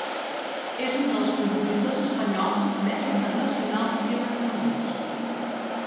És un dels compositors espanyols més internacionals i reconeguts.